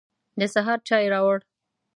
د سهار چای يې راوړ.